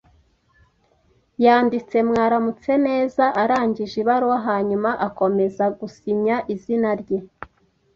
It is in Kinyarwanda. Yanditse "Mwaramutse neza" arangije ibaruwa hanyuma akomeza gusinya izina rye.